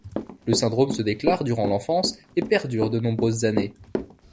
Le syndrome se déclare durant l'enfance et perdure de nombreuses années.